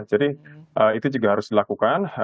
jadi itu juga harus dilakukan